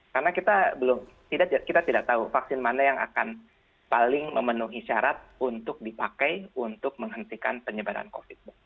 karena kita tidak tahu vaksin mana yang akan paling memenuhi syarat untuk dipakai untuk menghentikan penyebaran covid sembilan belas